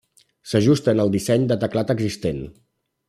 S'ajusten al disseny de teclat existent.